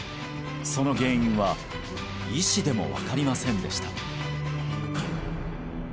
その原因は医師でも分かりませんでした